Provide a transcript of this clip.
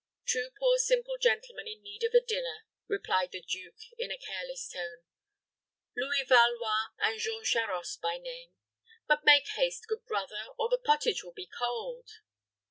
"Two poor simple gentlemen in need of a dinner," replied the duke, in a careless tone "Louis Valois and Jean Charost by name. But make haste, good brother, or the pottage will be cold."